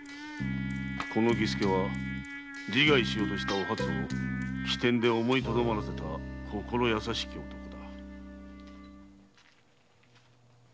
この儀助は自害しようとしたお初を機転で思いとどまらせた心優しき男だ。